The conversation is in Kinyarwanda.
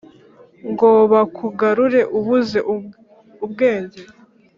ngo bakugarure ubuze ubwenge